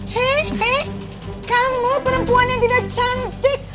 hei hei kamu perempuan yang tidak cantik